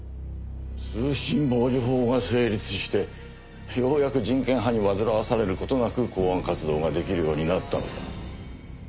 通信傍受法が成立してようやく人権派に煩わされる事なく公安活動が出来るようになったのだ。